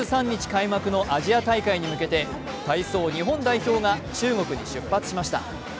開幕のアジア大会に向けて体操日本代表が中国へ出発しました。